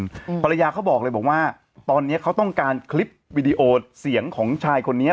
อืมภรรยาเขาบอกเลยบอกว่าตอนเนี้ยเขาต้องการคลิปวิดีโอเสียงของชายคนนี้